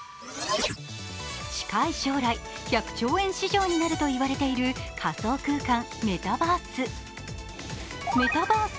近い将来、１００兆円市場になるといわれている仮想空間メタバース。